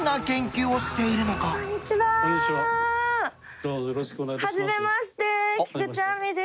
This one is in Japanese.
どうぞよろしくお願い致します。